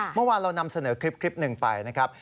เมื่อวานเรานำเสนอคลิปหนึ่งไปนะครับ